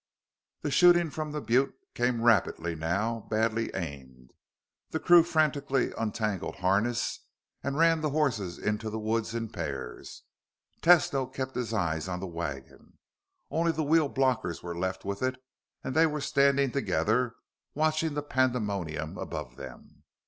The shooting from the butte came rapidly now, badly aimed. The crew frantically untangled harness and ran the horses into the woods in pairs. Tesno kept his eyes on the wagon. Only the wheel blockers were left with it, and they were standing together watching the pandemonium above them.